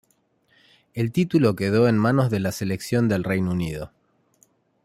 El título quedó en manos de la selección del Reino Unido.